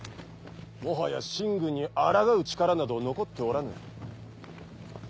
もはや秦軍にあらがう力など残っておらぬ。